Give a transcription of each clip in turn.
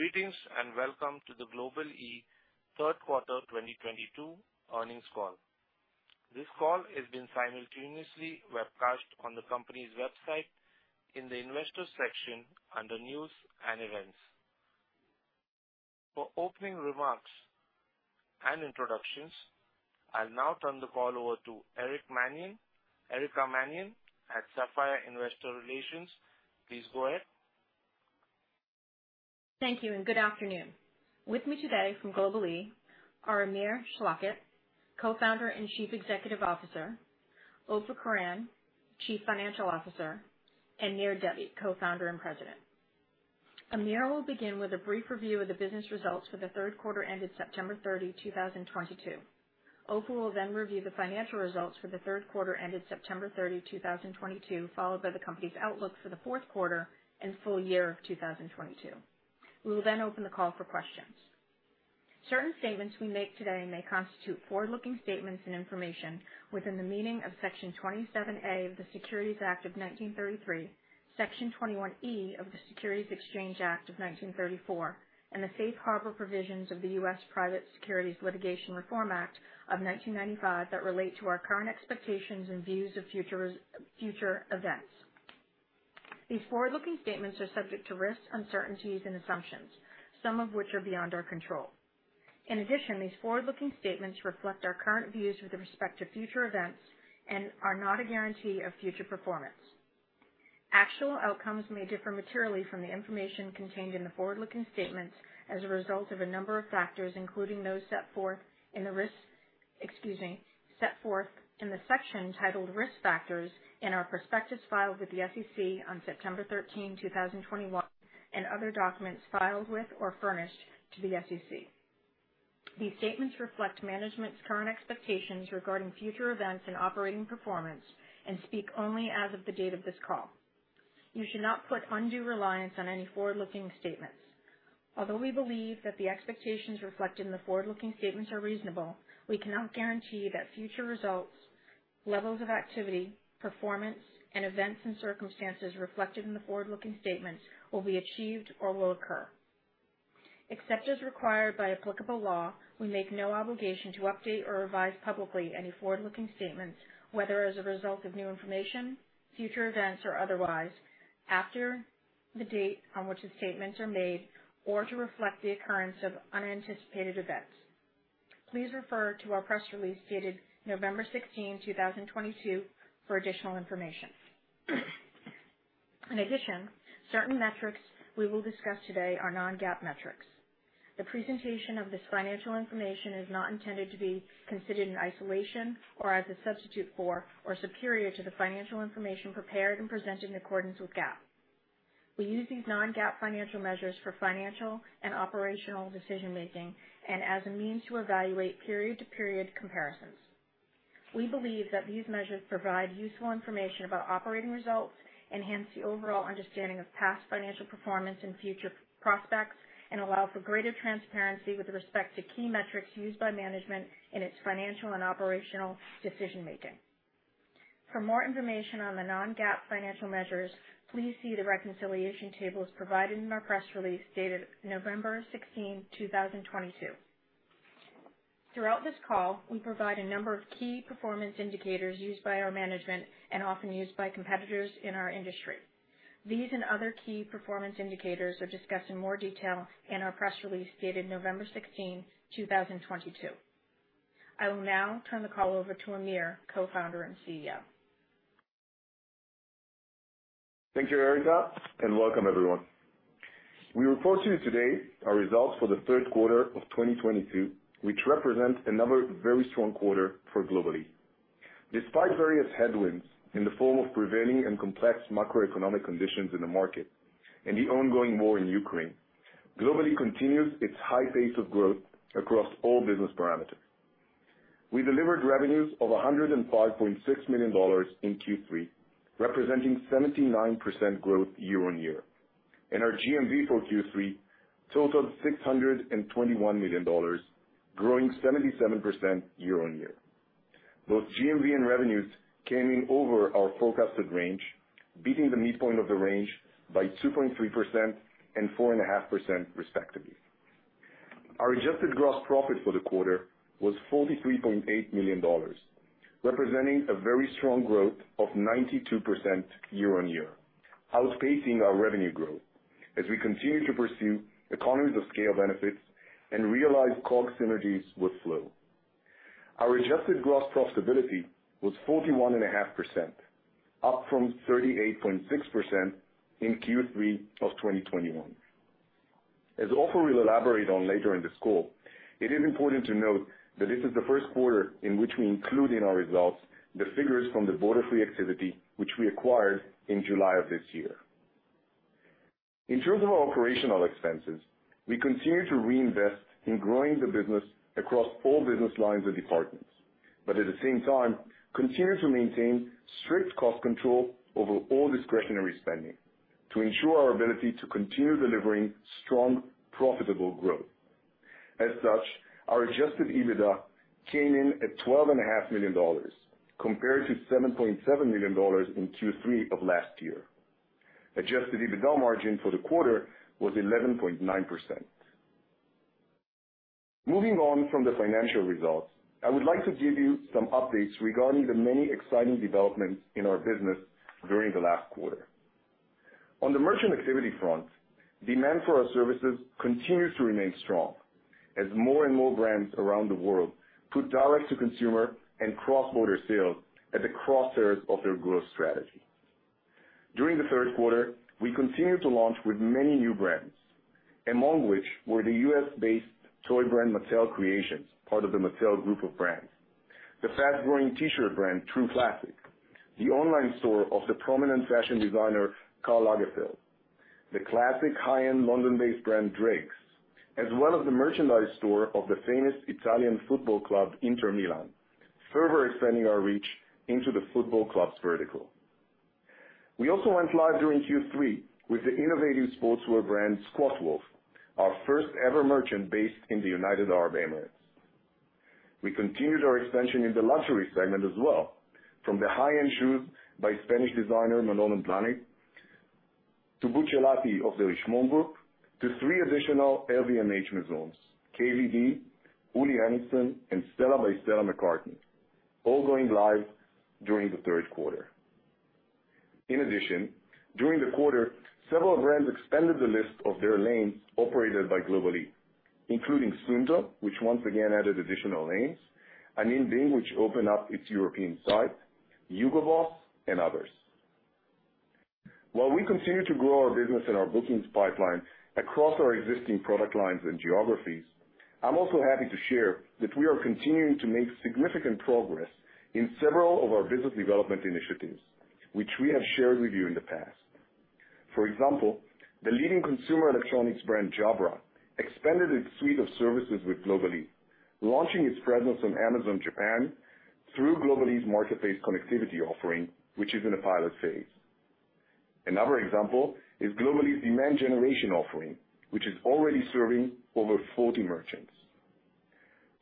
Greetings, and welcome to the Global-e Q3 2022 earnings call. This call is being simultaneously webcast on the company's website in the Investors section under News and Events. For opening remarks and introductions, I'll now turn the call over to Erica Mannion, Erica Mannion at Sapphire Investor Relations. Please go ahead. Thank you, and good afternoon. With me today from Global-e are Amir Schlachet, Co-founder and Chief Executive Officer, Ofer Koren, Chief Financial Officer, and Nir Debbi, Co-founder and President. Amir will begin with a brief review of the business results for the Q3 ended September 30, 2022. Ofer will then review the financial results for the Q3 ended September 30, 2022, followed by the company's outlook for the Q4 and full year of 2022. We will then open the call for questions. Certain statements we make today may constitute forward-looking statements and information within the meaning of Section 27A of the Securities Act of 1933, Section 21E of the Securities Exchange Act of 1934, and the Safe Harbor provisions of the U.S. Private Securities Litigation Reform Act of 1995 that relate to our current expectations and views of future events. These forward-looking statements are subject to risks, uncertainties, and assumptions, some of which are beyond our control. In addition, these forward-looking statements reflect our current views with respect to future events and are not a guarantee of future performance. Actual outcomes may differ materially from the information contained in the forward-looking statements as a result of a number of factors, including those set forth in the risk. As set forth in the section titled Risk Factors in our prospectus filed with the SEC on September 13, 2021, and other documents filed with or furnished to the SEC. These statements reflect management's current expectations regarding future events and operating performance and speak only as of the date of this call. You should not put undue reliance on any forward-looking statements. Although we believe that the expectations reflected in the forward-looking statements are reasonable, we cannot guarantee that future results, levels of activity, performance, and events and circumstances reflected in the forward-looking statements will be achieved or will occur. Except as required by applicable law, we make no obligation to update or revise publicly any forward-looking statements, whether as a result of new information, future events, or otherwise, after the date on which the statements are made, or to reflect the occurrence of unanticipated events. Please refer to our press release dated November 16, 2022 for additional information. In addition, certain metrics we will discuss today are non-GAAP metrics. The presentation of this financial information is not intended to be considered in isolation or as a substitute for or superior to the financial information prepared and presented in accordance with GAAP. We use these non-GAAP financial measures for financial and operational decision-making and as a means to evaluate period-to-period comparisons. We believe that these measures provide useful information about operating results, enhance the overall understanding of past financial performance and future prospects, and allow for greater transparency with respect to key metrics used by management in its financial and operational decision-making. For more information on the non-GAAP financial measures, please see the reconciliation tables provided in our press release dated November 16, 2022. Throughout this call, we provide a number of key performance indicators used by our management and often used by competitors in our industry. These and other key performance indicators are discussed in more detail in our press release dated November 16, 2022. I will now turn the call over to Amir, Co-founder and CEO. Thank you, Erica, and welcome everyone. We report to you today our results for the Q3 of 2022, which represents another very strong quarter for Global-e. Despite various headwinds in the form of prevailing and complex macroeconomic conditions in the market and the ongoing war in Ukraine, Global-e continues its high pace of growth across all business parameters. We delivered revenues of $105.6 million in Q3, representing 79% growth year-on-year. Our GMV for Q3 totaled $621 million, growing 77% year-on-year. Both GMV and revenues came in over our forecasted range, beating the midpoint of the range by 2.3% and 4.5% respectively. Our adjusted gross profit for the quarter was $43.8 million, representing a very strong growth of 92% year-on-year, outpacing our revenue growth as we continue to pursue economies of scale benefits and realize COGS synergies with Flow. Our adjusted gross profitability was 41.5%, up from 38.6% in Q3 of 2021. Ofer will elaborate on later in this call, it is important to note that this is the Q1 in which we include in our results the figures from the Borderfree activity, which we acquired in July of this year. In terms of our operational expenses, we continue to reinvest in growing the business across all business lines and departments, but at the same time continue to maintain strict cost control over all discretionary spending to ensure our ability to continue delivering strong, profitable growth. As such, our adjusted EBITDA came in at $12.5 million compared to $7.7 million in Q3 of last year. Adjusted EBITDA margin for the quarter was 11.9%. Moving on from the financial results, I would like to give you some updates regarding the many exciting developments in our business during the last quarter. On the merchant activity front, demand for our services continues to remain strong as more and more brands around the world put direct to consumer and cross-border sales at the crosshairs of their growth strategy. During the Q3, we continued to launch with many new brands, among which were the US-based toy brand Mattel Creations, part of the Mattel group of brands, the fast-growing T-shirt brand True Classic, the online store of the prominent fashion designer Karl Lagerfeld, the classic high-end London-based brand Drake's, as well as the merchandise store of the famous Italian football club Inter Milan, further extending our reach into the football clubs vertical. We also went live during Q3 with the innovative sportswear brand Squatwolf, our first ever merchant based in the United Arab Emirates. We continued our expansion in the luxury segment as well, from the high-end shoes by Spanish designer Manolo Blahnik to Buccellati of the Richemont Group to three additional LVMH Maisons, KVD, Hennessy, and Stella by Stella McCartney, all going live during the Q3. In addition, during the quarter, several brands expanded the list of their lanes operated by Global-e, including Sandro, which once again added additional lanes, Anine Bing, which opened up its European site, Hugo Boss, and others. While we continue to grow our business and our bookings pipeline across our existing product lines and geographies, I'm also happy to share that we are continuing to make significant progress in several of our business development initiatives, which we have shared with you in the past. For example, the leading consumer electronics brand Jabra expanded its suite of services with Global-e, launching its presence on Amazon Japan through Global-e's marketplace connectivity offering, which is in a pilot phase. Another example is Global-e's demand generation offering, which is already serving over 40 merchants.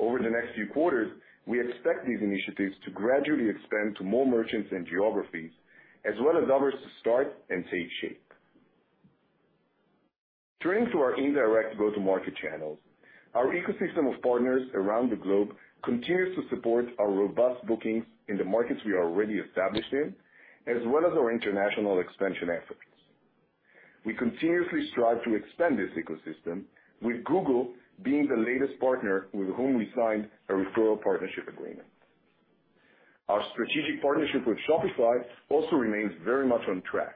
Over the next few quarters, we expect these initiatives to gradually expand to more merchants and geographies, as well as others to start and take shape. Turning to our indirect go-to-market channels, our ecosystem of partners around the globe continues to support our robust bookings in the markets we are already established in, as well as our international expansion efforts. We continuously strive to expand this ecosystem, with Google being the latest partner with whom we signed a referral partnership agreement. Our strategic partnership with Shopify also remains very much on track,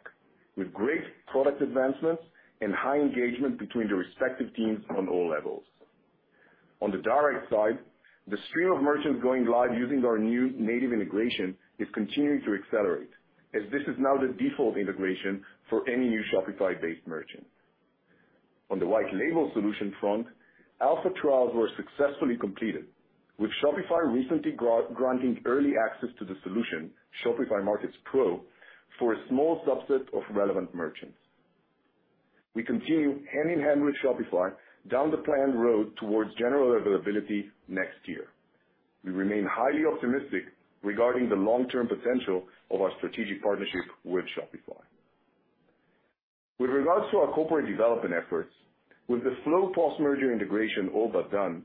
with great product advancements and high engagement between the respective teams on all levels. On the direct side, the stream of merchants going live using our new native integration is continuing to accelerate as this is now the default integration for any new Shopify-based merchant. On the white label solution front, alpha trials were successfully completed, with Shopify recently granting early access to the solution, Shopify Markets Pro, for a small subset of relevant merchants. We continue hand-in-hand with Shopify down the planned road towards general availability next year. We remain highly optimistic regarding the long-term potential of our strategic partnership with Shopify. With regards to our corporate development efforts, with the slow post-merger integration all but done,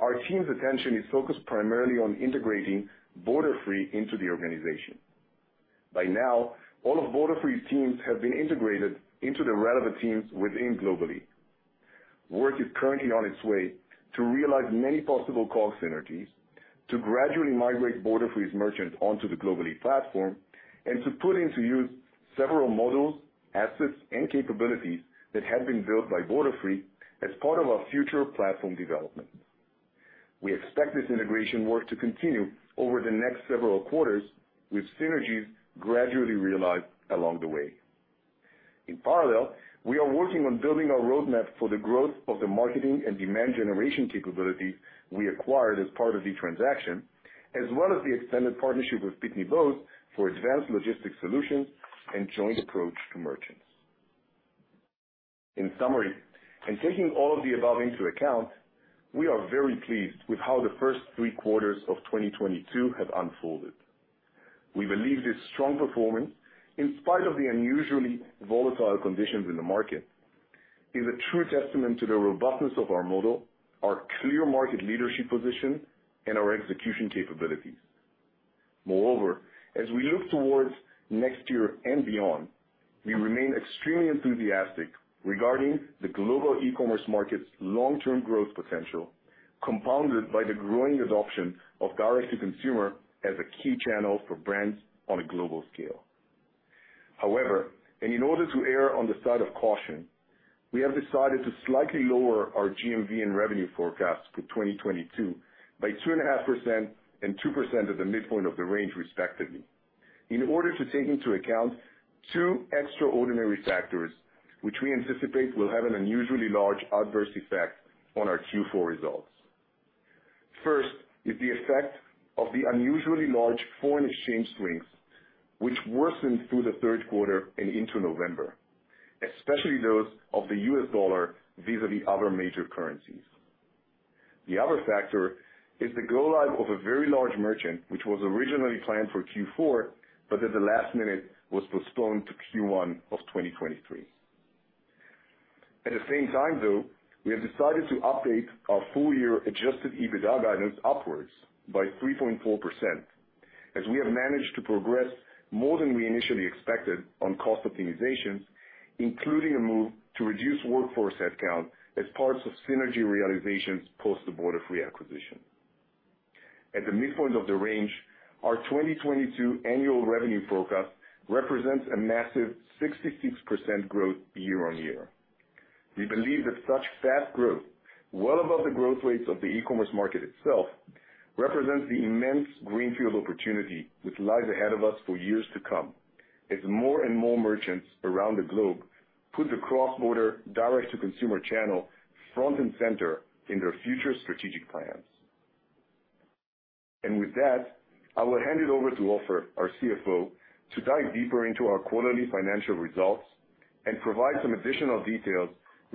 our team's attention is focused primarily on integrating Borderfree into the organization. By now, all of Borderfree's teams have been integrated into the relevant teams within Global-e. Work is currently on its way to realize many possible cost synergies to gradually migrate Borderfree's merchants onto the Global-e platform and to put into use several models, assets, and capabilities that have been built by Borderfree as part of our future platform development. We expect this integration work to continue over the next several quarters, with synergies gradually realized along the way. In parallel, we are working on building our roadmap for the growth of the marketing and demand generation capability we acquired as part of the transaction, as well as the extended partnership with Pitney Bowes for advanced logistics solutions and joint approach to merchants. In summary, in taking all of the above into account, we are very pleased with how the first three quarters of 2022 have unfolded. We believe this strong performance, in spite of the unusually volatile conditions in the market, is a true testament to the robustness of our model, our clear market leadership position, and our execution capabilities. Moreover, as we look toward next year and beyond, we remain extremely enthusiastic regarding the global e-commerce market's long-term growth potential, compounded by the growing adoption of direct to consumer as a key channel for brands on a global scale. However, and in order to err on the side of caution, we have decided to slightly lower our GMV and revenue forecast for 2022 by 2.5% and 2% at the midpoint of the range, respectively, in order to take into account two extraordinary factors which we anticipate will have an unusually large adverse effect on our Q4 results. First is the effect of the unusually large foreign exchange swings, which worsened through the Q3 and into November, especially those of the US dollar vis-à-vis other major currencies. The other factor is the go-live of a very large merchant, which was originally planned for Q4, but at the last minute was postponed to Q1 of 2023. At the same time though, we have decided to update our full year adjusted EBITDA guidance upwards by 3.4%, as we have managed to progress more than we initially expected on cost optimizations, including a move to reduce workforce headcount as parts of synergy realizations post the Borderfree acquisition. At the midpoint of the range, our 2022 annual revenue forecast represents a massive 66% growth year on year. We believe that such fast growth, well above the growth rates of the e-commerce market itself, represents the immense greenfield opportunity which lies ahead of us for years to come, as more and more merchants around the globe put the cross-border direct to consumer channel front and center in their future strategic plans. With that, I will hand it over to Ofer, our CFO, to dive deeper into our quarterly financial results and provide some additional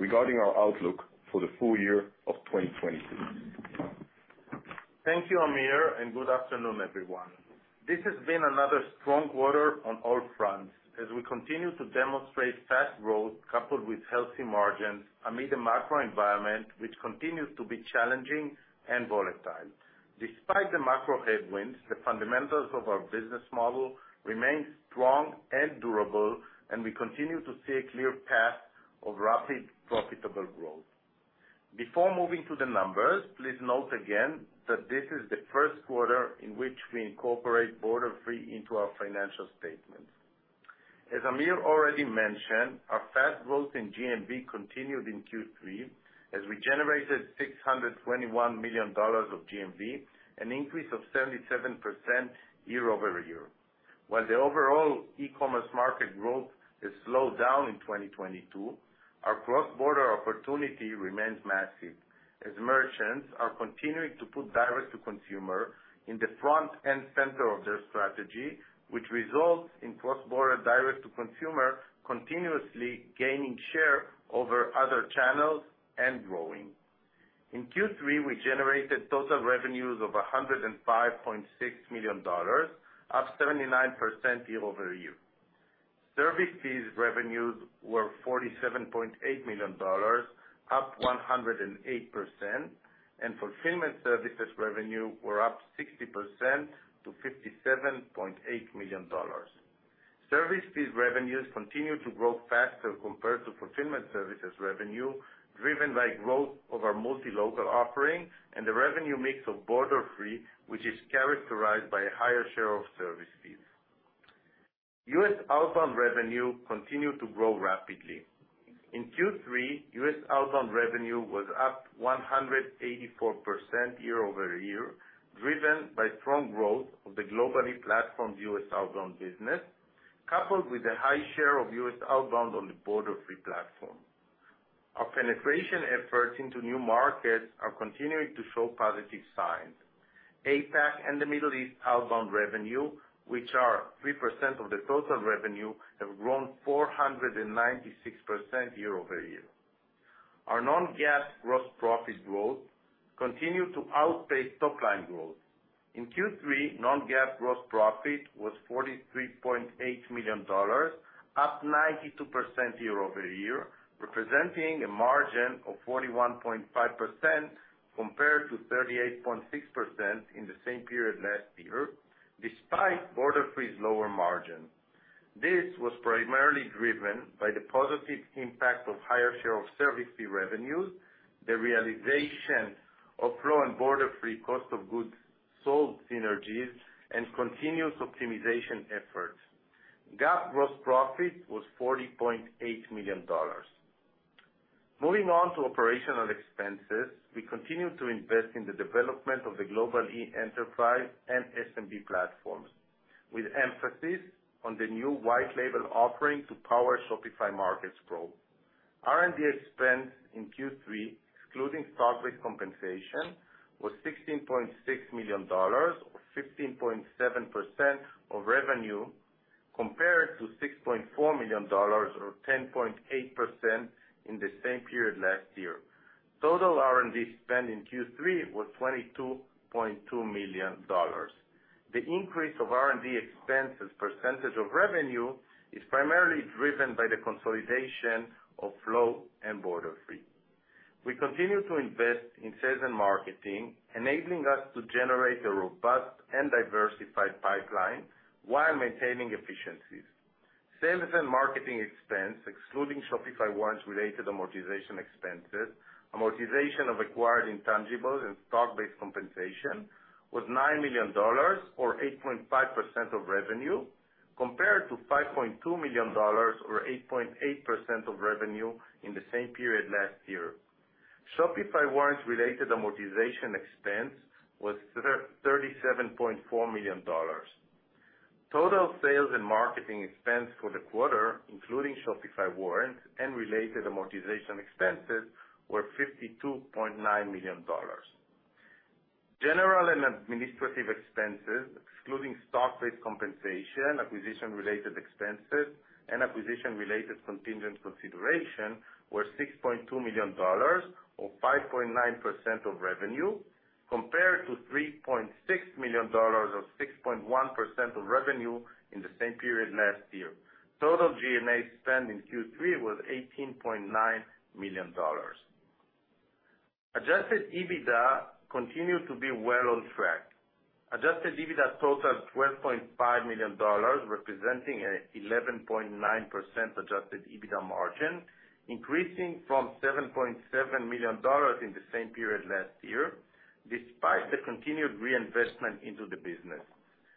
details regarding our outlook for the full year of 2022. Thank you, Amir, and good afternoon, everyone. This has been another strong quarter on all fronts as we continue to demonstrate fast growth coupled with healthy margins amid a macro environment which continues to be challenging and volatile. Despite the macro headwinds, the fundamentals of our business model remain strong and durable, and we continue to see a clear path of rapid profitable growth. Before moving to the numbers, please note again that this is the Q1 in which we incorporate Borderfree into our financial statements. As Amir already mentioned, our fast growth in GMV continued in Q3 as we generated $621 million of GMV, an increase of 77% year-over-year. While the overall e-commerce market growth has slowed down in 2022, our cross-border opportunity remains massive as merchants are continuing to put direct to consumer in the front and center of their strategy, which results in cross-border direct to consumer continuously gaining share over other channels and growing. In Q3, we generated total revenues of $105.6 million, up 79% year-over-year. Service fees revenues were $47.8 million, up 108%, and fulfillment services revenue were up 60% to $57.8 million. Service fees revenues continue to grow faster compared to fulfillment services revenue, driven by growth of our multi-local offering and the revenue mix of Borderfree, which is characterized by a higher share of service fees. US outbound revenue continued to grow rapidly. In Q3, US outbound revenue was up 184% year-over-year, driven by strong growth of the Global-e platform's US outbound business, coupled with a high share of US outbound on the Borderfree platform. Our penetration efforts into new markets are continuing to show positive signs. APAC and the Middle East outbound revenue, which are 3% of the total revenue, have grown 496% year-over-year. Our non-GAAP gross profit growth continued to outpace top line growth. In Q3, non-GAAP gross profit was $43.8 million, up 92% year-over-year, representing a margin of 41.5% compared to 38.6% in the same period last year, despite Borderfree's lower margin. This was primarily driven by the positive impact of higher share of service fee revenues, the realization of Flow and Borderfree cost of goods sold synergies, and continuous optimization efforts. GAAP gross profit was $40.8 million. Moving on to operational expenses. We continue to invest in the development of the Global-e enterprise and SMB platforms, with emphasis on the new white label offering to power Shopify Markets growth. R&D expense in Q3, excluding stock-based compensation, was $16.6 million or 15.7% of revenue, compared to $6.4 million or 10.8% in the same period last year. Total R&D spend in Q3 was $22.2 million. The increase of R&D expense as percentage of revenue is primarily driven by the consolidation of Flow and Borderfree. We continue to invest in sales and marketing, enabling us to generate a robust and diversified pipeline while maintaining efficiencies. Sales and marketing expense, excluding Shopify warrants related amortization expenses, amortization of acquired intangibles and stock-based compensation, was $9 million or 8.5% of revenue, compared to $5.2 million or 8.8% of revenue in the same period last year. Shopify warrants-related amortization expense was $37.4 million. Total sales and marketing expense for the quarter, including Shopify warrants and related amortization expenses, were $52.9 million. General and administrative expenses, excluding stock-based compensation, acquisition-related expenses, and acquisition-related contingent consideration were $6.2 million or 5.9% of revenue, compared to $3.6 million or 6.1% of revenue in the same period last year. Total G&A spend in Q3 was $18.9 million. Adjusted EBITDA continued to be well on track. Adjusted EBITDA totaled $12.5 million, representing an 11.9% adjusted EBITDA margin, increasing from $7.7 million in the same period last year, despite the continued reinvestment into the business.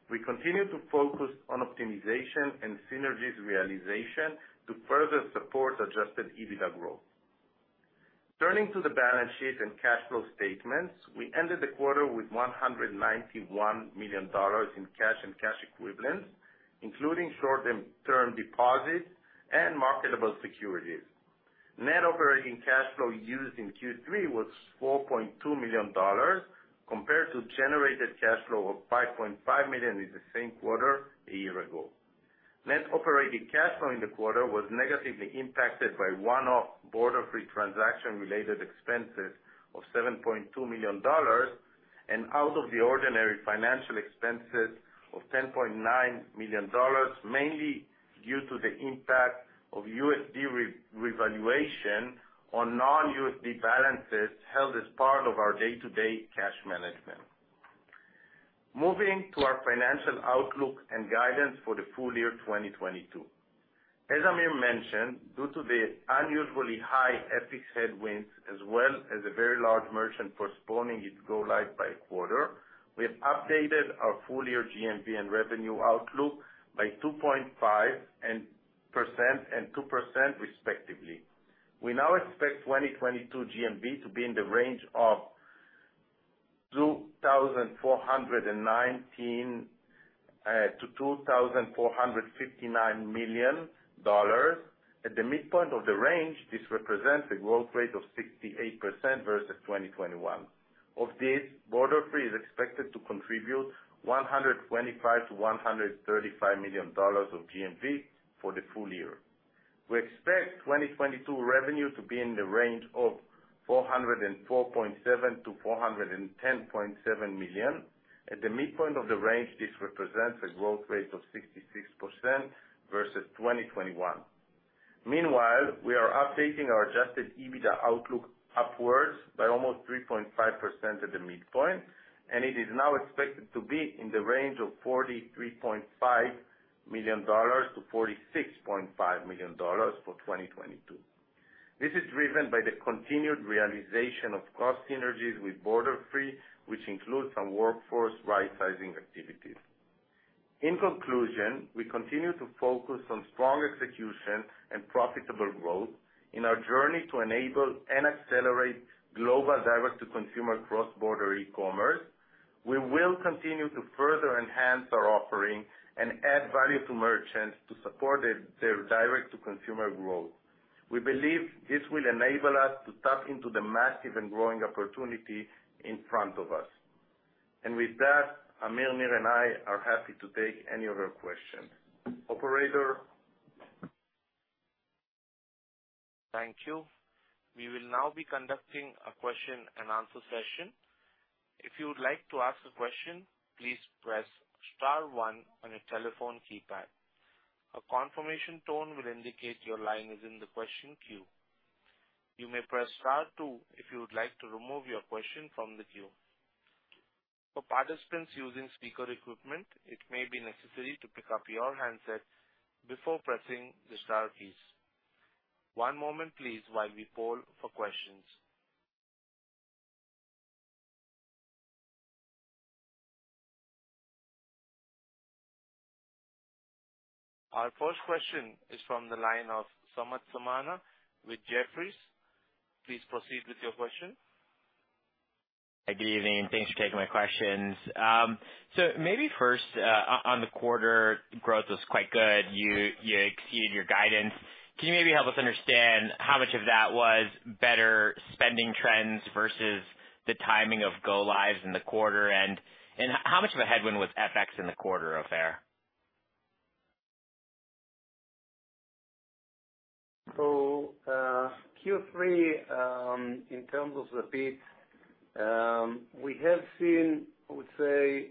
We continue to focus on optimization and synergies realization to further support adjusted EBITDA growth. Turning to the balance sheet and cash flow statements, we ended the quarter with $191 million in cash and cash equivalents, including short-term deposits and marketable securities. Net operating cash flow used in Q3 was $4.2 million compared to generated cash flow of $5.5 million in the same quarter a year ago. Net operating cash flow in the quarter was negatively impacted by one-off Borderfree transaction-related expenses of $7.2 million and out-of-the-ordinary financial expenses of $10.9 million, mainly due to the impact of USD revaluation on non-USD balances held as part of our day-to-day cash management. Moving to our financial outlook and guidance for the full year 2022. As Amir mentioned, due to the unusually high FX headwinds as well as a very large merchant postponing its go-live by a quarter, we have updated our full-year GMV and revenue outlook by 2.5% and 2% respectively. We now expect 2022 GMV to be in the range of $2,419 million-$2,459 million. At the midpoint of the range, this represents a growth rate of 68% versus 2021. Of this, Borderfree is expected to contribute $125 million-$135 million of GMV for the full year. We expect 2022 revenue to be in the range of $404.7 million-$410.7 million. At the midpoint of the range, this represents a growth rate of 66% versus 2021. Meanwhile, we are updating our adjusted EBITDA outlook upwards by almost 3.5% at the midpoint, and it is now expected to be in the range of $43.5 million-$46.5 million for 2022. This is driven by the continued realization of cost synergies with Borderfree, which includes some workforce rightsizing activities. In conclusion, we continue to focus on strong execution and profitable growth in our journey to enable and accelerate global direct-to-consumer cross-border e-commerce. We will continue to further enhance our offering and add value to merchants to support their direct-to-consumer growth. We believe this will enable us to tap into the massive and growing opportunity in front of us. With that, Amir, Nir and I are happy to take any other questions. Operator? Thank you. We will now be conducting a question-and-answer session. If you would like to ask a question, please press star one on your telephone keypad. A confirmation tone will indicate your line is in the question queue. You may press star two if you would like to remove your question from the queue. For participants using speaker equipment, it may be necessary to pick up your handset before pressing the star keys. One moment please while we poll for questions. Our first question is from the line of Samad Samana with Jefferies. Please proceed with your question. Good evening, and thanks for taking my questions. So maybe first, on the quarter, growth was quite good. You exceeded your guidance. Can you maybe help us understand how much of that was better spending trends versus the timing of go-lives in the quarter? And how much of a headwind was FX in the quarter, Ofer? Q3, in terms of the beats, we have seen, I would say,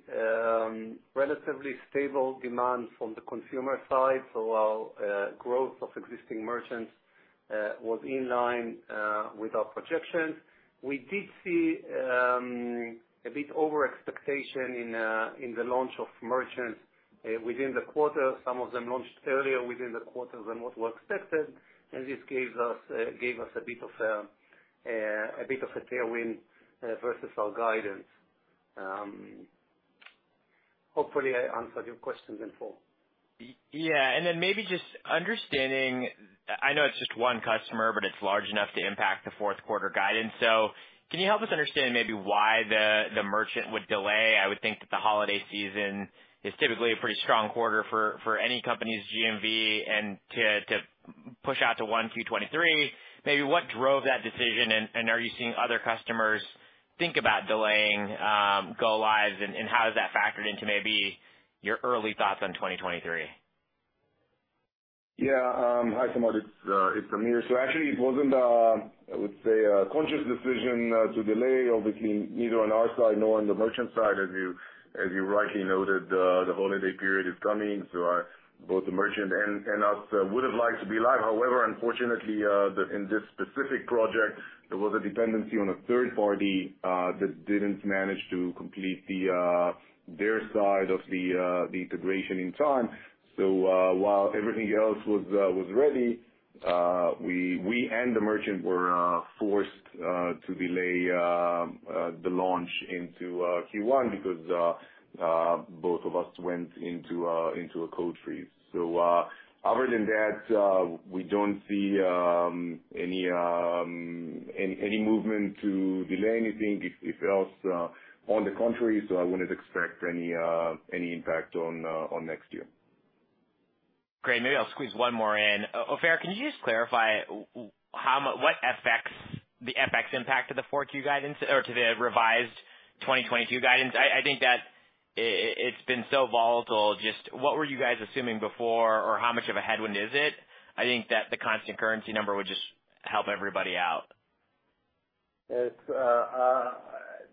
relatively stable demand from the consumer side. While growth of existing merchants was in line with our projections, we did see a bit over expectation in the launch of merchants within the quarter. Some of them launched earlier within the quarter than what were expected, and this gave us a bit of a tailwind versus our guidance. Hopefully I answered your questions in full. Yeah. Then maybe just understanding, I know it's just one customer, but it's large enough to impact the Q4 guidance. So can you help us understand maybe why the merchant would delay? I would think that the holiday season is typically a pretty strong quarter for any company's GMV. To push out to 1Q23, maybe what drove that decision? Are you seeing other customers think about delaying go lives? How has that factored into maybe your early thoughts on 2023? Hi, Samad. It's Amir. Actually it wasn't, I would say a conscious decision to delay obviously either on our side nor on the merchant side, as you rightly noted, the holiday period is coming. Both the merchant and us would have liked to be live. However, unfortunately, in this specific project, there was a dependency on a third party that didn't manage to complete their side of the integration in time. While everything else was ready, we and the merchant were forced to delay the launch into Q1 because both of us went into a code freeze. Other than that, we don't see any movement to delay anything or else, on the contrary. I wouldn't expect any impact on next year. Great. Maybe I'll squeeze one more in. Ofer, can you just clarify how much. What the FX impact to the Q4 guidance or to the revised 2022 guidance? I think that it's been so volatile. Just what were you guys assuming before? Or how much of a headwind is it? I think that the constant currency number would just help everybody out.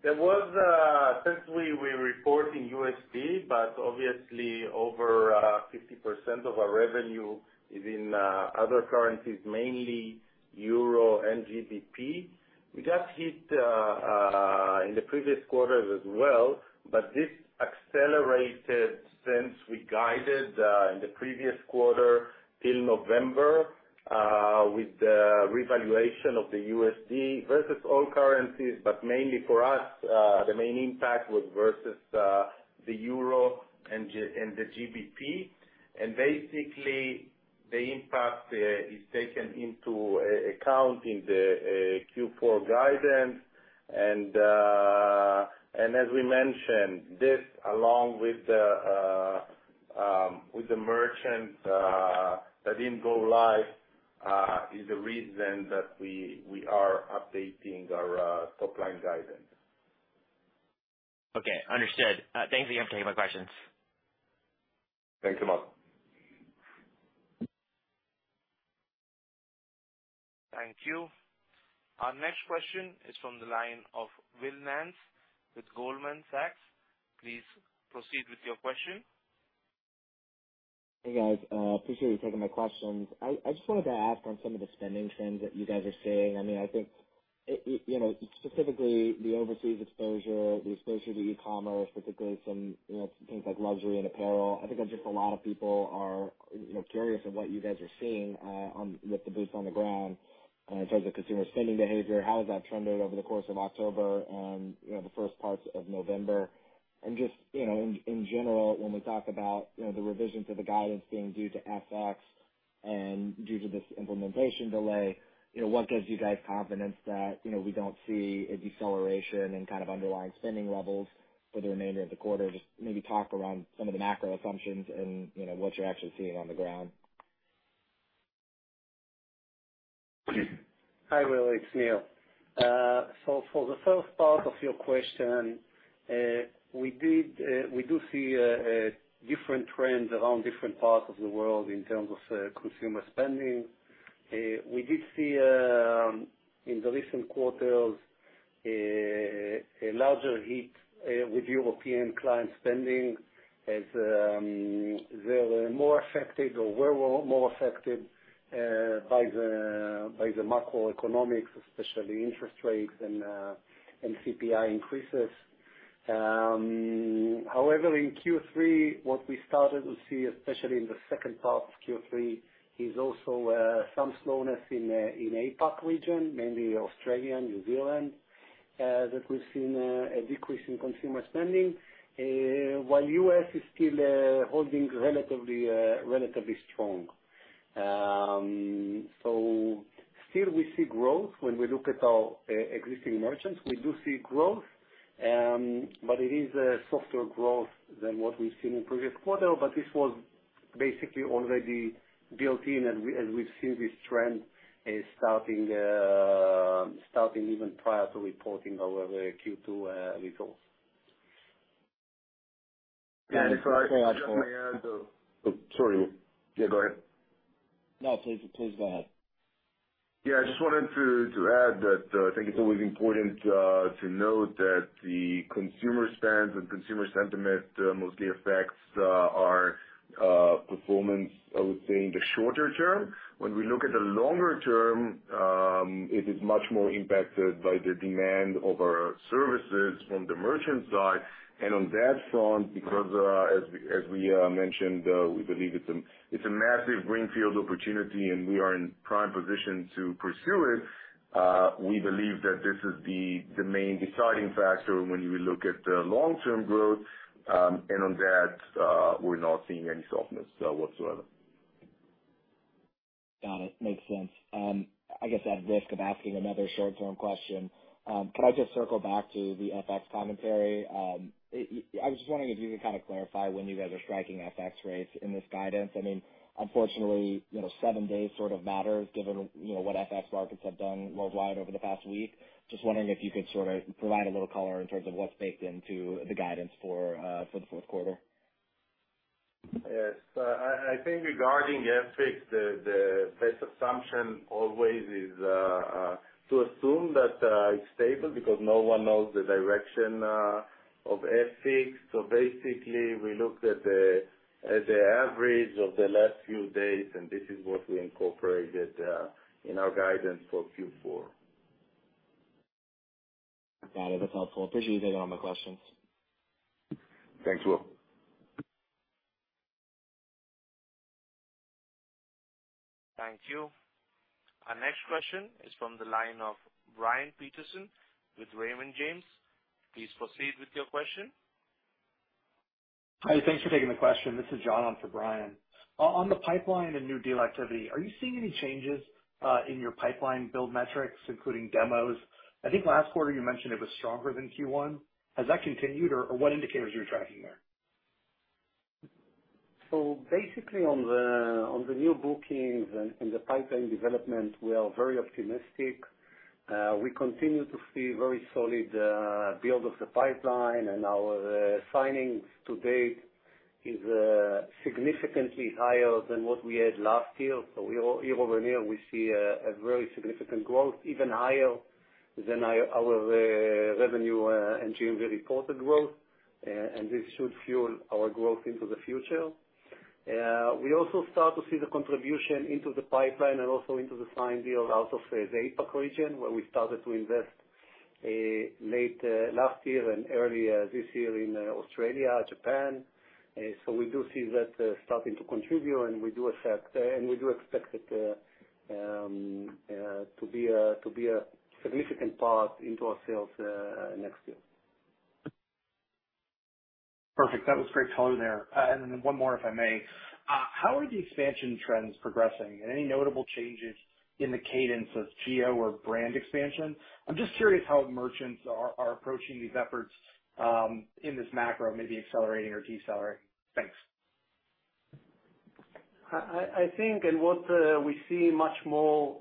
Since we were reporting USD, but obviously over 50% of our revenue is in other currencies, mainly euro and GBP. We just hit in the previous quarters as well, but this accelerated since we guided in the previous quarter till November with the revaluation of the USD versus all currencies. Mainly for us, the main impact was versus the euro and the GBP. Basically, the impact is taken into account in the Q4 guidance. As we mentioned, this along with the merchant that didn't go live is the reason that we are updating our top line guidance. Okay. Understood. Thanks again for taking my questions. Thanks, Samad. Thank you. Our next question is from the line of Will Nance with Goldman Sachs. Please proceed with your question. Hey, guys. Appreciate you taking my questions. I just wanted to ask on some of the spending trends that you guys are seeing. I mean, I think it you know, specifically the overseas exposure, the exposure to e-commerce, particularly some you know, things like luxury and apparel. I think that just a lot of people are you know, curious of what you guys are seeing with the boots on the ground in terms of consumer spending behavior. How has that trended over the course of October and you know, the first parts of November? Just, you know, in general, when we talk about, you know, the revisions of the guidance being due to FX and due to this implementation delay, you know, what gives you guys confidence that, you know, we don't see a deceleration in kind of underlying spending levels for the remainder of the quarter? Just maybe talk around some of the macro assumptions and, you know, what you're actually seeing on the ground. Hi, Will, it's Nir. For the first part of your question, we do see different trends around different parts of the world in terms of consumer spending. We did see in the recent quarters a larger hit with European client spending as they're more affected or were more affected by the macroeconomics, especially interest rates and CPI increases. However, in Q3, what we started to see, especially in the H2 of Q3, is also some slowness in the APAC region, mainly Australia and New Zealand, that we've seen a decrease in consumer spending, while US is still holding relatively strong. Still we see growth. When we look at our existing merchants, we do see growth, but it is a softer growth than what we've seen in previous quarter. This was basically already built in and as we've seen this trend, starting even prior to reporting our Q2 results. If I may add. Sorry. Sorry, Will. Yeah, go ahead. No, please, go ahead. Yeah, I just wanted to add that, I think it's always important to note that the consumer spends and consumer sentiment mostly affects our performance, I would say, in the shorter term. When we look at the longer term, it is much more impacted by the demand of our services from the merchant side. On that front, because as we mentioned, we believe it's a it's a massive greenfield opportunity, and we are in prime position to pursue it. We believe that this is the main deciding factor when we look at the long-term growth. On that, we're not seeing any softness whatsoever. Got it. Makes sense. I guess at risk of asking another short-term question, could I just circle back to the FX commentary? I was just wondering if you could kind of clarify when you guys are striking FX rates in this guidance. I mean, unfortunately, you know, seven days sort of matters given, you know, what FX markets have done worldwide over the past week. Just wondering if you could sort of provide a little color in terms of what's baked into the guidance for the Q4. Yes. I think regarding FX, the best assumption always is to assume that it's stable because no one knows the direction of FX. Basically we looked at the average of the last few days, and this is what we incorporated in our guidance for Q4. Got it. That's helpful. Appreciate you taking all my questions. Thanks, Will. Thank you. Our next question is from the line of Brian Peterson with Raymond James. Please proceed with your question. Hi, thanks for taking the question. This is John on for Brian. On the pipeline and new deal activity, are you seeing any changes in your pipeline build metrics, including demos? I think last quarter you mentioned it was stronger than Q1. Has that continued? Or what indicators are you tracking there? Basically on the new bookings and the pipeline development, we are very optimistic. We continue to see very solid build of the pipeline and our signings to date is significantly higher than what we had last year. Year-over-year, we see a very significant growth, even higher than our revenue in terms of reported growth. This should fuel our growth into the future. We also start to see the contribution into the pipeline and also into the signed deals out of the APAC region, where we started to invest late last year and early this year in Australia, Japan. We do see that starting to contribute, and we do expect it to be a significant part into our sales next year. Perfect. That was great color there. Then one more, if I may. How are the expansion trends progressing? Any notable changes in the cadence of geo or brand expansion? I'm just curious how merchants are approaching these efforts, in this macro, maybe accelerating or decelerating. Thanks. I think what we see much more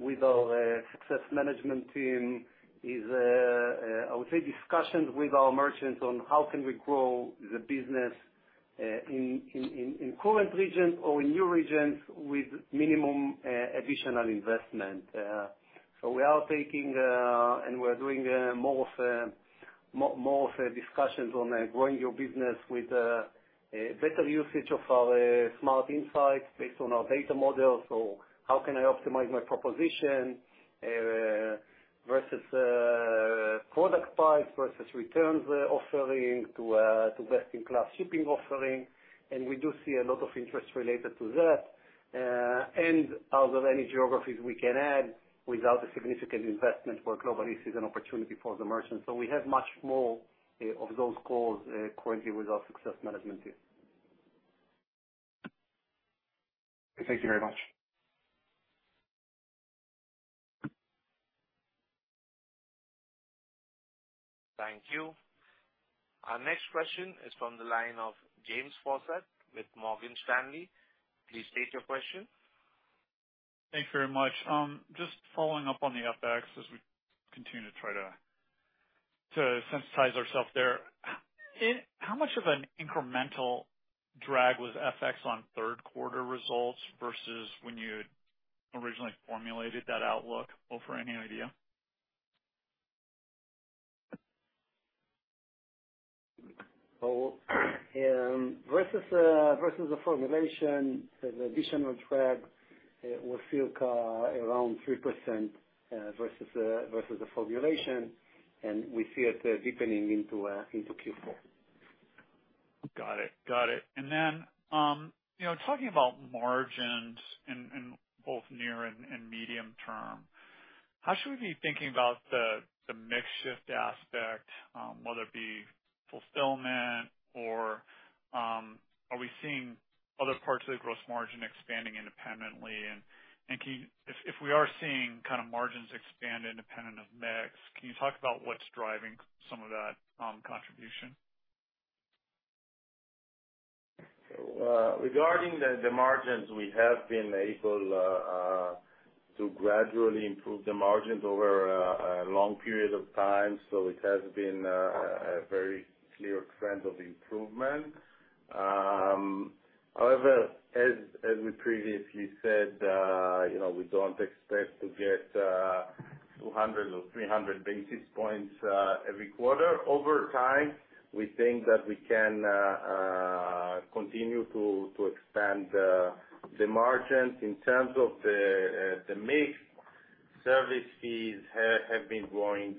with our success management team is I would say discussions with our merchants on how can we grow the business in current regions or in new regions with minimum additional investment. We are talking and we're doing more discussions on growing your business with a better usage of our smart insights based on our data models. How can I optimize my proposition versus product price versus returns offering to best-in-class shipping offering. We do see a lot of interest related to that. Adding any geographies we can add without a significant investment for Global-e is an opportunity for the merchants. We have much more of those calls currently with our success management team. Thank you very much. Thank you. Our next question is from the line of James Faucette with Morgan Stanley. Please state your question. Thanks very much. Just following up on the FX as we continue to try to synthesize ourselves there. How much of an incremental drag was FX on Q3 results versus when you originally formulated that outlook? Ofer, any idea? Well, versus the formulation, the additional drag was from around 3% versus the formulation, and we see it deepening into Q4. Got it. You know, talking about margins in both near and medium term, how should we be thinking about the mix shift aspect, whether it be fulfillment or are we seeing other parts of the gross margin expanding independently? Can you if we are seeing kind of margins expand independent of mix, can you talk about what's driving some of that contribution? Regarding the margins, we have been able to gradually improve the margins over a long period of time. It has been a very clear trend of improvement. However, as we previously said, you know, we don't expect to get 200 or 300 basis points every quarter. Over time, we think that we can continue to expand the margins. In terms of the mix, service fees have been growing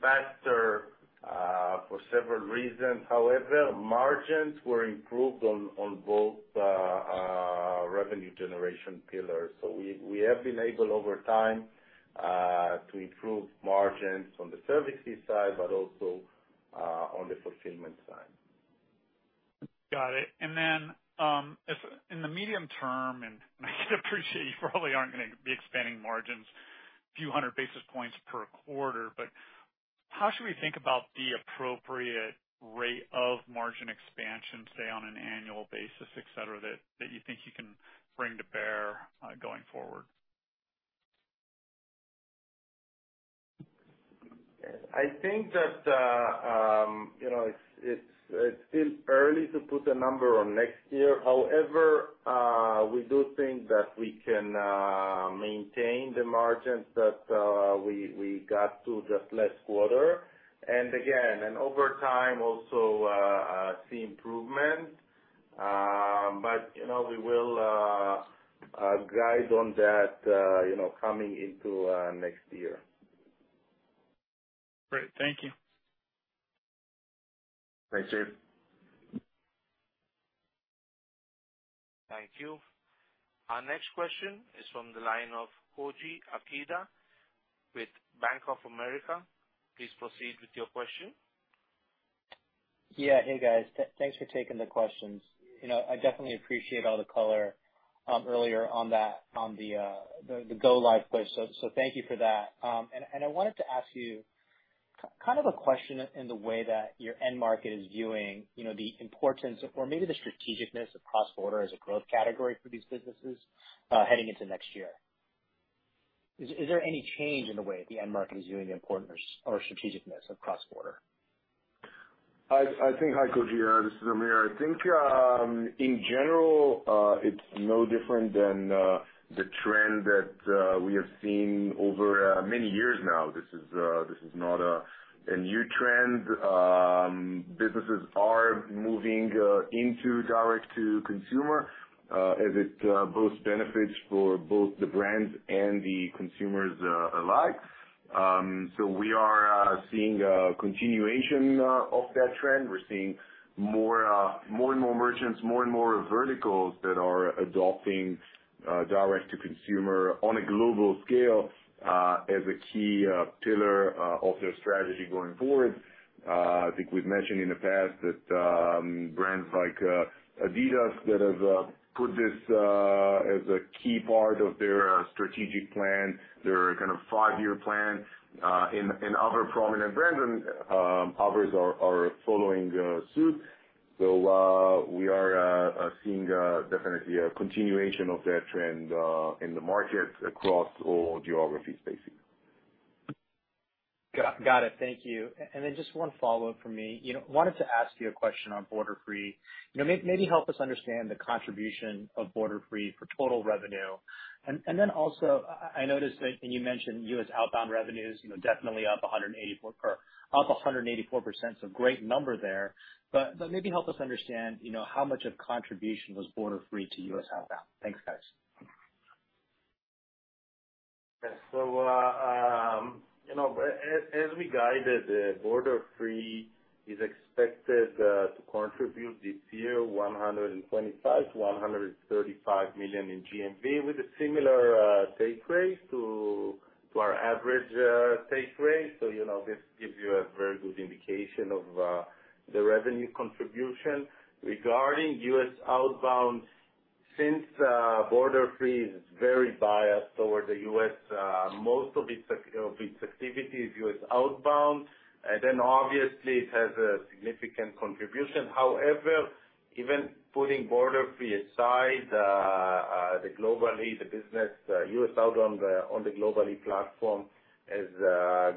faster for several reasons. However, margins were improved on both revenue generation pillars. We have been able over time to improve margins on the services side but also on the fulfillment side. Got it. As in the medium term, and I appreciate you probably aren't gonna be expanding margins a few hundred basis points per quarter, but how should we think about the appropriate rate of margin expansion, say, on an annual basis, et cetera, that you think you can bring to bear, going forward? I think that, you know, it's still early to put a number on next year. However, we do think that we can maintain the margins that we got to just last quarter. Again, over time also, see improvement. You know, we will guide on that, you know, coming into next year. Great. Thank you. Thanks, James. Thank you. Our next question is from the line of Koji Ikeda with Bank of America. Please proceed with your question. Yeah. Hey, guys. Thanks for taking the questions. You know, I definitely appreciate all the color earlier on that, the go live push. Thank you for that. I wanted to ask you kind of a question in the way that your end market is viewing, you know, the importance or maybe the strategic-ness of cross-border as a growth category for these businesses heading into next year. Is there any change in the way the end market is viewing the importance or strategic-ness of cross-border? I think. Hi, Koji. This is Amir. I think, in general, it's no different than the trend that we have seen over many years now. This is not a new trend. Businesses are moving into direct-to-consumer as it boasts benefits for both the brands and the consumers alike. We are seeing a continuation of that trend. We're seeing more and more merchants, more and more verticals that are adopting direct to consumer on a global scale as a key pillar of their strategy going forward. I think we've mentioned in the past that brands like Adidas that have put this as a key part of their strategic plan, their kind of five-year plan, and other prominent brands and others are following suit. We are seeing definitely a continuation of that trend in the market across all geographies, basically. Got it. Thank you. Just one follow-up from me. You know, wanted to ask you a question on Borderfree. You know, maybe help us understand the contribution of Borderfree for total revenue. Then also I noticed that, and you mentioned US outbound revenues, you know, definitely up 184, or up 184% is a great number there. But maybe help us understand, you know, how much of contribution was Borderfree to US outbound. Thanks, guys. You know, as we guided, Borderfree is expected to contribute this year $125 million-$135 million in GMV with a similar take rate to our average take rate. You know, this gives you a very good indication of the revenue contribution. Regarding US outbound, since Borderfree is very biased towards the US, most of its of its activity is US outbound. Then obviously it has a significant contribution. However, even putting Borderfree aside, the Global-e business US outbound on the Global-e platform has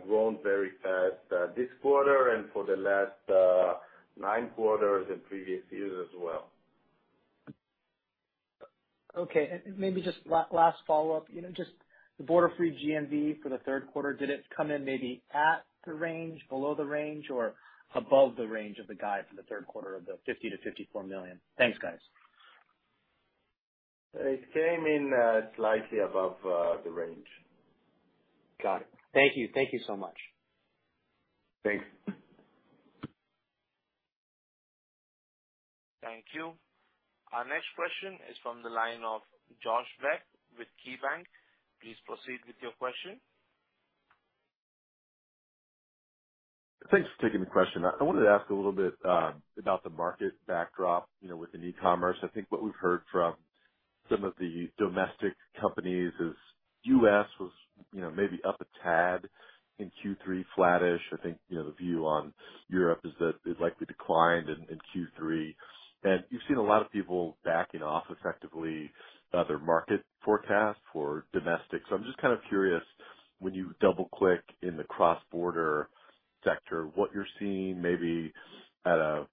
grown very fast this quarter and for the last nine quarters in previous years as well. Okay. Maybe just last follow-up, you know, just the Borderfree GMV for the Q3, did it come in maybe at the range, below the range or above the range of the guide for the Q3 of the $50 million-$54 million? Thanks, guys. It came in slightly above the range. Got it. Thank you. Thank you so much. Thanks. Thank you. Our next question is from the line of Josh Beck with KeyBanc. Please proceed with your question. Thanks for taking the question. I wanted to ask a little bit about the market backdrop, you know, within e-commerce. I think what we've heard from some of the domestic companies is US was, you know, maybe up a tad in Q3, flattish. I think, you know, the view on Europe is that it likely declined in Q3. You've seen a lot of people backing off effectively their market forecast for domestic. I'm just kind of curious, when you double-click in the cross-border sector, what you're seeing maybe at a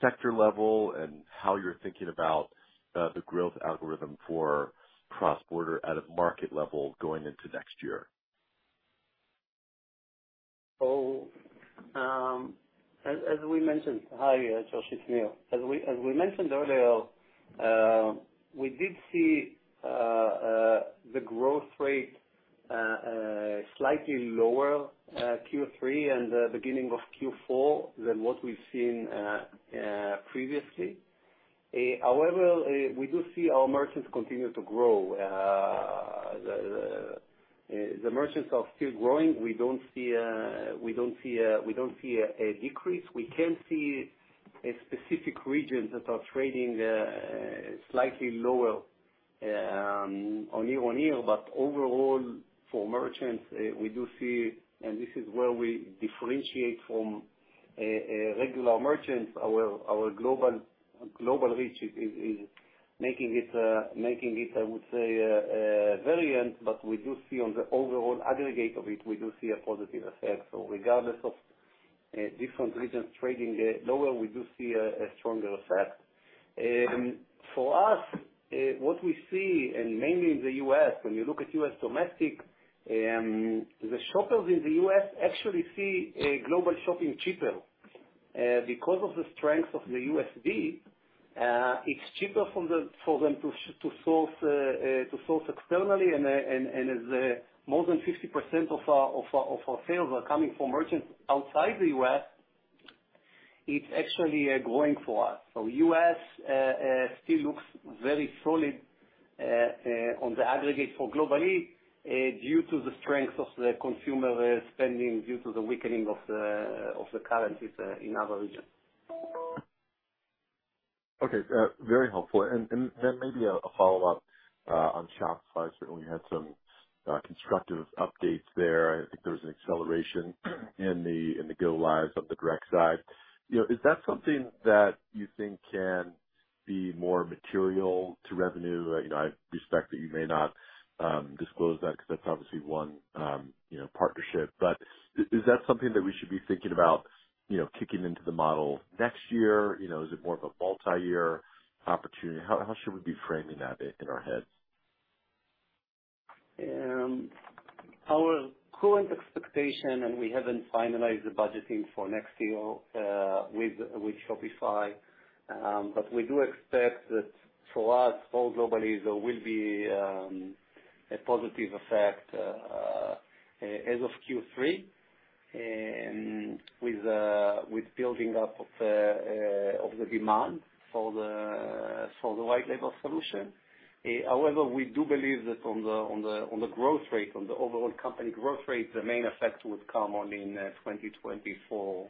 sector level and how you're thinking about the growth algorithm for cross-border at a market level going into next year. Hi, Josh. It's Nir. As we mentioned earlier, we did see. The growth rate slightly lower Q3 and the beginning of Q4 than what we've seen previously. However, we do see our merchants continue to grow. The merchants are still growing. We don't see a decrease. We can see a specific regions that are trading slightly lower on year-on-year, but overall, for merchants, we do see. This is where we differentiate from regular merchants. Our global reach is making it, I would say, viable, but we do see on the overall aggregate of it, we do see a positive effect. Regardless of different regions trading lower, we do see a stronger effect. For us, what we see, mainly in the US, when you look at US domestic, the shoppers in the US actually see global shopping cheaper. Because of the strength of the USD, it's cheaper for them to source externally. As more than 50% of our sales are coming from merchants outside the US, it's actually growing for us. US still looks very solid on the aggregate globally due to the strength of the consumer spending due to the weakening of the currencies in other regions. Okay. Very helpful. Maybe a follow-up on Shopify. Certainly had some constructive updates there. I think there was an acceleration in the go lives of the direct side. You know, is that something that you think can be more material to revenue? You know, I respect that you may not disclose that, because that's obviously one, you know, partnership. Is that something that we should be thinking about, you know, kicking into the model next year? You know, is it more of a multi-year opportunity? How should we be framing that in our heads? Our current expectation, and we haven't finalized the budgeting for next year with Shopify. We do expect that for us, all globally, there will be a positive effect as of Q3 and with building up of the demand for the white label solution. However, we do believe that on the overall company growth rate, the main effect would come only in 2024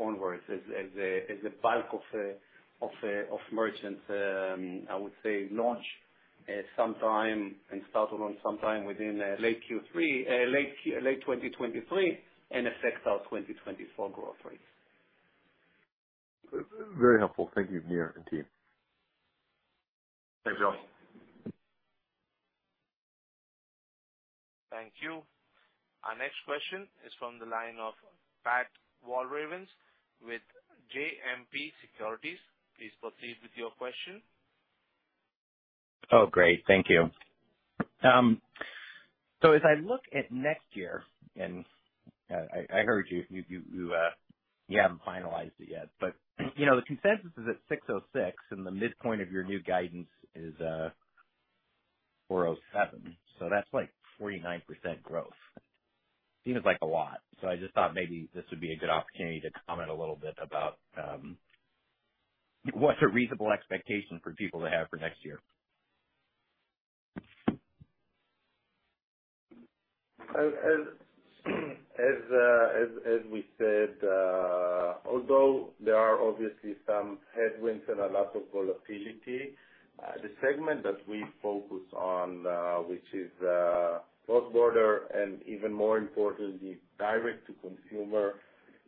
onwards, as the bulk of merchants I would say launch sometime and start around sometime within late Q3 2023 and affects our 2024 growth rates. Very helpful. Thank you, Nir and team. Thanks, y'all. Thank you. Our next question is from the line of Pat Walravens with JMP Securities. Please proceed with your question. Oh, great. Thank you. As I look at next year and, I heard you. You haven't finalized it yet. You know, the consensus is at $606, and the midpoint of your new guidance is $407. That's like 49% growth. Seems like a lot. I just thought maybe this would be a good opportunity to comment a little bit about what's a reasonable expectation for people to have for next year. As we said, although there are obviously some headwinds and a lot of volatility, the segment that we focus on, which is cross-border, and even more importantly, direct to consumer,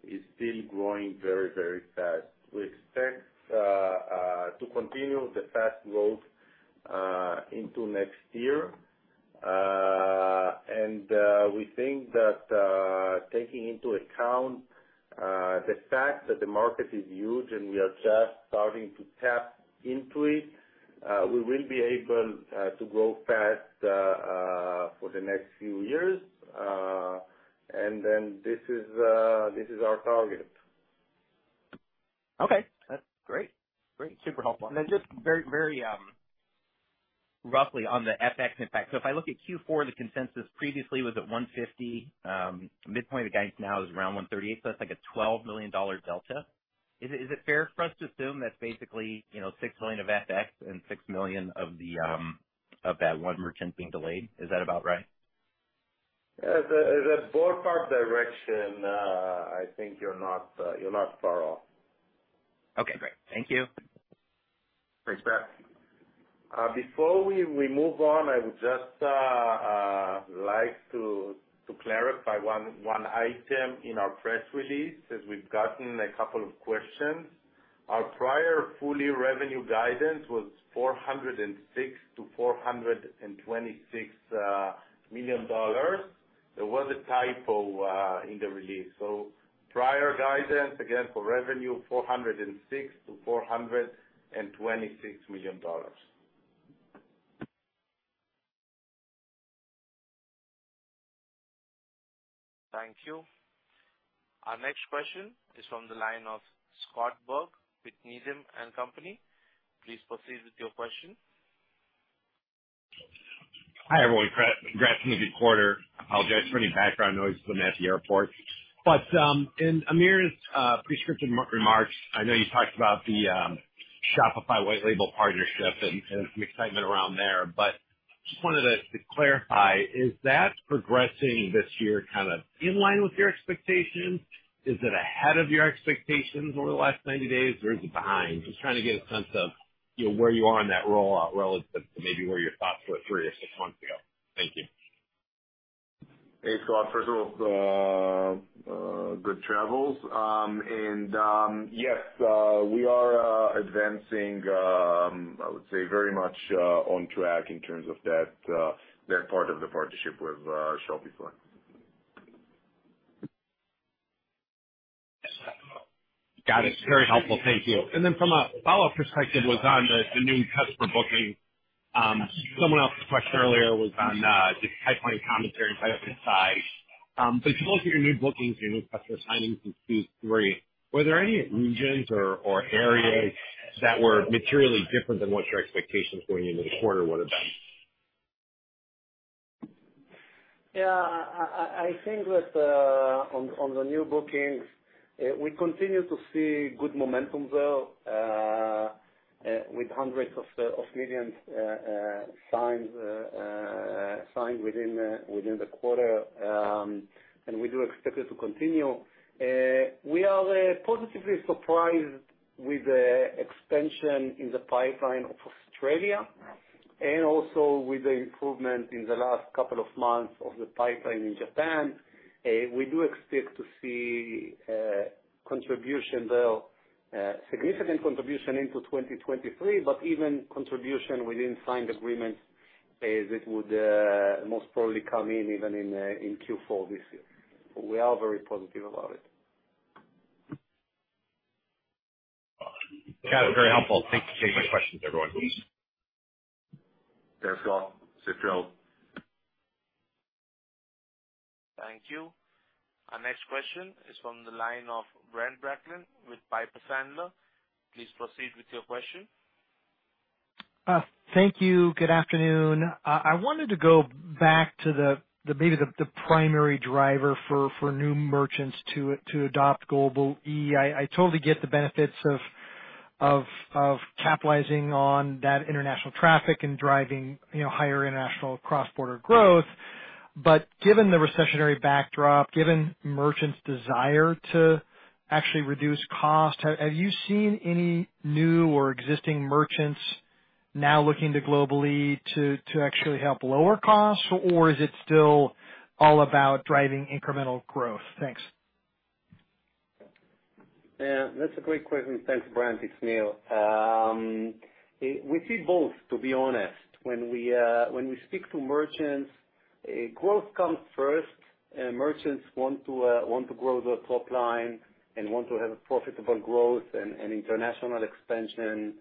is still growing very, very fast. We expect to continue the fast growth into next year. We think that, taking into account the fact that the market is huge and we are just starting to tap into it, we will be able to grow fast for the next few years. This is our target. Okay. That's great. Great. Super helpful. Just very, very roughly on the FX impact. If I look at Q4, the consensus previously was at $150 million. Midpoint of the guidance now is around $138 million, so that's like a $12 million delta. Is it fair for us to assume that's basically, you know, $6 million of FX and $6 million of that one merchant being delayed? Is that about right? As a ballpark direction, I think you're not far off. Okay, great. Thank you. Thanks, Pat. Before we move on, I would just like to clarify one item in our press release, as we've gotten a couple of questions. Our prior full-year revenue guidance was $406 million-$426 million. There was a typo in the release. Prior guidance, again, for revenue, $406 million-$426 million. Thank you. Our next question is from the line of Scott Berg with Needham & Company. Please proceed with your question. Hi, everyone. Congratulations on a good quarter. I apologize for any background noise, I'm at the airport. In Amir Schlachet's prepared remarks, I know you talked about the Shopify white label partnership and some excitement around there, but just wanted to clarify, is that progressing this year kind of in line with your expectations? Is it ahead of your expectations over the last 90 days, or is it behind? Just trying to get a sense of, you know, where you are in that rollout relative to maybe where your thoughts were three to six months ago. Thank you. Hey, Scott. First of all, good travels. Yes, we are advancing. I would say very much on track in terms of that part of the partnership with Shopify. Got it. Very helpful. Thank you. From a follow-up perspective was on the new customer booking. Someone else's question earlier was on just high-level commentary in terms of size. You spoke to your new bookings, your new customer signings in Q3. Were there any regions or areas that were materially different than what your expectations going into the quarter would have been? Yeah. I think that on the new bookings we continue to see good momentum there with hundreds of millions signed within the quarter and we do expect it to continue. We are positively surprised with the expansion in the pipeline of Australia and also with the improvement in the last couple of months of the pipeline in Japan. We do expect to see contribution there significant contribution into 2023 but even contribution within signed agreements that would most probably come in even in Q4 this year. We are very positive about it. Got it. Very helpful. Thanks. Those are my questions, everyone. Thanks, Scott. Safe travels. Thank you. Our next question is from the line of Brent Bracelin with Piper Sandler. Please proceed with your question. Thank you. Good afternoon. I wanted to go back to the maybe the primary driver for new merchants to adopt Global-e. I totally get the benefits of capitalizing on that international traffic and driving, you know, higher international cross-border growth. Given the recessionary backdrop, given merchants' desire to actually reduce costs, have you seen any new or existing merchants now looking to Global-e to actually help lower costs, or is it still all about driving incremental growth? Thanks. Yeah. That's a great question. Thanks, Brent. It's Nir. We see both, to be honest. When we speak to merchants, growth comes first. Merchants want to grow their top line and want to have profitable growth and international expansion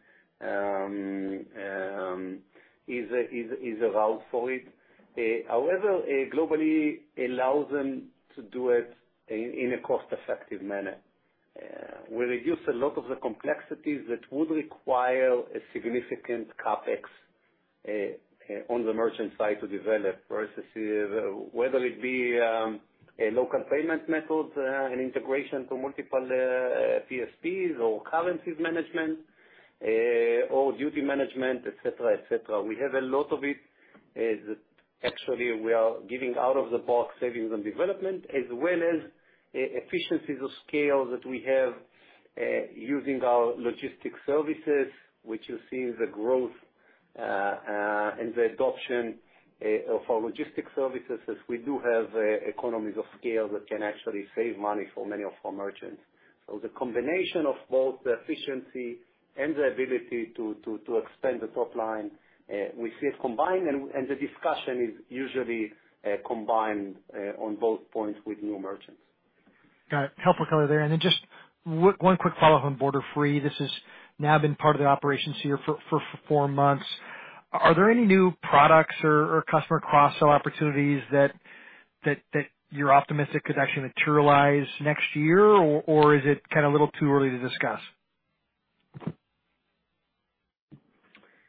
is a route for it. However, Global-e allows them to do it in a cost-effective manner. We reduce a lot of the complexities that would require a significant CapEx on the merchant side to develop versus whether it be a local payment method, an integration to multiple PSPs or currencies management, or duty management, et cetera, et cetera. We have a lot of it. Actually, we are giving out-of-the-box savings on development as well as efficiencies of scale that we have, using our logistics services, which you're seeing the growth and the adoption of our logistics services, as we do have economies of scale that can actually save money for many of our merchants. The combination of both the efficiency and the ability to extend the top line, we see it combined and the discussion is usually combined on both points with new merchants. Got it. Helpful color there. Just one quick follow on Borderfree. This has now been part of the operations here for four months. Are there any new products or customer cross-sell opportunities that you're optimistic could actually materialize next year? Or is it kind of a little too early to discuss?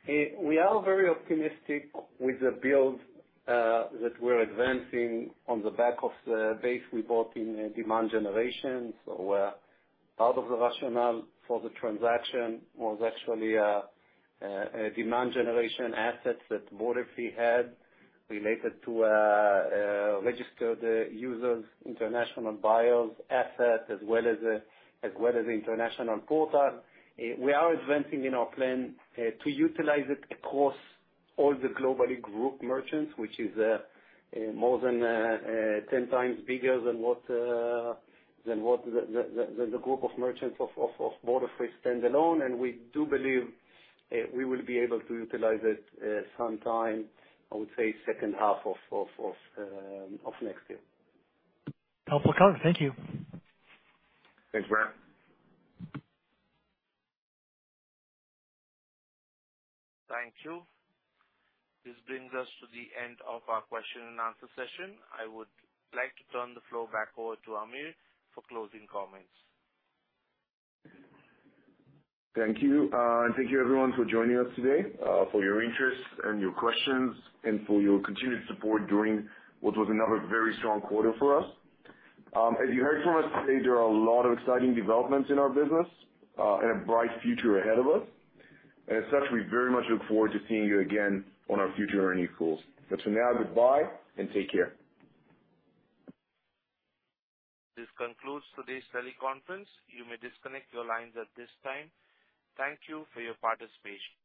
We are very optimistic with the build that we're advancing on the back of the base we bought in demand generation. Part of the rationale for the transaction was actually a demand generation assets that Borderfree had related to registered users, international buyers, assets, as well as the international portal. We are advancing in our plan to utilize it across all the Global-e group merchants, which is more than 10x bigger than what the group of merchants of Borderfree standalone. We do believe we will be able to utilize it sometime, I would say H2 of next year. Helpful color. Thank you. Thanks, Brent. Thank you. This brings us to the end of our question and answer session. I would like to turn the floor back over to Amir for closing comments. Thank you. Thank you everyone for joining us today, for your interest and your questions and for your continued support during what was another very strong quarter for us. As you heard from us today, there are a lot of exciting developments in our business, and a bright future ahead of us. As such, we very much look forward to seeing you again on our future earnings calls. For now, goodbye and take care. This concludes today's teleconference. You may disconnect your lines at this time. Thank you for your participation.